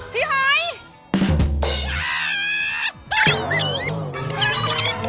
พี่หอย